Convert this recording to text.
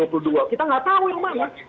kita nggak tahu yang mana